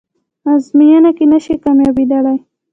ازموینه کې نشئ کامیابدلی